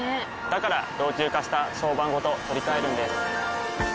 から老朽化した床版ごと取り替えるんです。